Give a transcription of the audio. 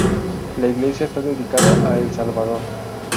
La iglesia está dedicada a El Salvador.